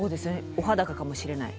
お裸かもしれない。